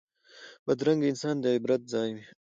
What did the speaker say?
بدرنګه انسان د عبرت ځای وي